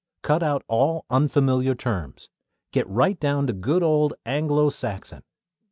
"Cut out all unfamiliar terms. Get right down to good old Anglo Saxon.